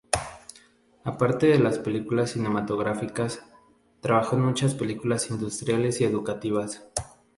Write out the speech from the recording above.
Aparte de las películas cinematográficas, trabajó en muchas películas industriales y educativas.